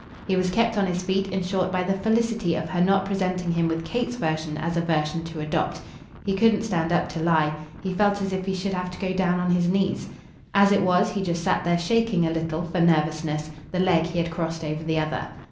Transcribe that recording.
He was kept on his feet in short by the felicity of her not presenting him with Kate's version as a version to adopt. He couldn't stand up to lie he felt as if he should have to go down on his knees. As it was he just sat there shaking a little for nervousness the leg he had crossed over the other.